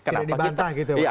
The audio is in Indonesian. tidak dibantah gitu